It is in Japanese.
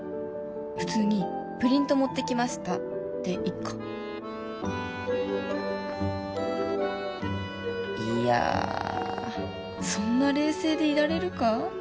普通にプリント持ってきましたでいっかいやそんな冷静でいられるか？